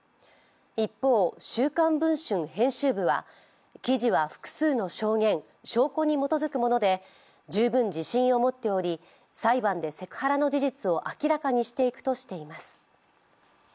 一方、「週刊文春」編集部は記事は複数の証言、証拠に基づくもので、十分自信を持っており裁判でセクハラの事実を明らかにしていくとしています。